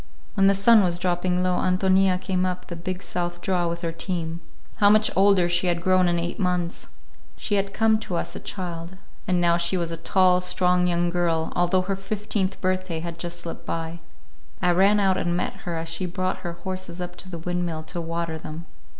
When the sun was dropping low, Ántonia came up the big south draw with her team. How much older she had grown in eight months! She had come to us a child, and now she was a tall, strong young girl, although her fifteenth birthday had just slipped by. I ran out and met her as she brought her horses up to the windmill to water them.